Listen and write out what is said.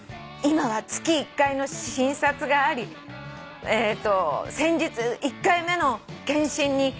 「今は月１回の診察があり先日１回目の検診に。